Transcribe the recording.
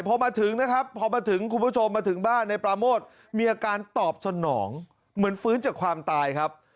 พอมาถึงนะครับพอมาถึงคุณผู้ชมมาถึงบ้านในปราโมทมีอาการตอบสนองเหมือนฟื้นจากความตายครับ